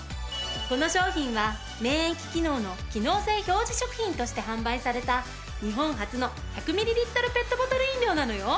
この商品は免疫機能の機能性表示食品として販売された日本初の１００ミリリットルペットボトル飲料なのよ。